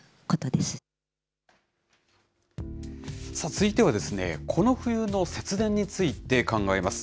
続いては、この冬の節電について考えます。